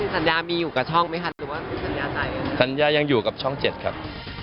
คันยามีอยู่กับช่องไหมคะหรือว่าคันยายังอยู่กับช่อง๗ครับ